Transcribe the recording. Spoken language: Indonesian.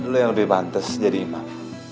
lo yang lebih pantas jadi imam